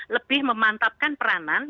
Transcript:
lebih memantapkan peranan